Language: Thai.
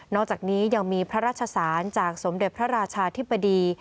อกจากนี้ยังมีพระราชสารจากสมเด็จพระราชาธิบดี